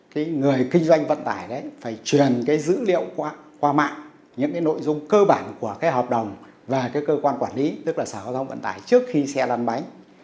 cái người kinh doanh vận tải đấy phải truyền cái dữ liệu qua mạng những cái nội dung cơ bản của cái hợp đồng về cái cơ quan quản lý tức là sở hợp đồng vận tải trước khi xe lăn bánh